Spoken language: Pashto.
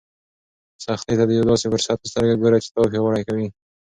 سختۍ ته د یو داسې فرصت په سترګه ګوره چې تا پیاوړی کوي.